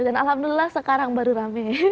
dan alhamdulillah sekarang baru rame